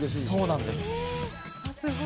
そうなんです。